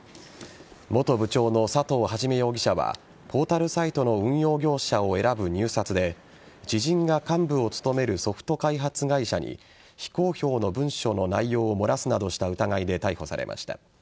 元部長の佐藤元容疑者はポータルサイトの運用業者を選ぶ入札で知人が幹部を務めるソフト開発会社に非公表の文書の内容を漏らすなどした疑いで逮捕されました。